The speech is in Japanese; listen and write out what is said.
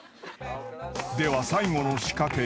［では最後の仕掛けへ］